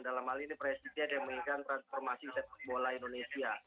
dalam hal ini presiden yang menginginkan transformasi sepak bola indonesia